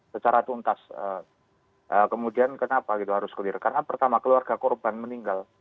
secara tuntas kemudian kenapa gitu harus clear karena pertama keluarga korban meninggal